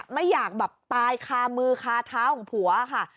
ไม่อยากแบบตายคามือคาเท้าของผัวค่ะ